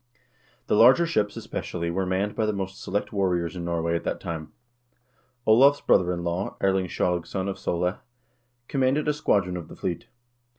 The larger ships, especially, were manned by the most select warriors in Norway at that time. Olav's brother in law, Erling Skjalgsson of Sole, commanded a squadron of the fleet.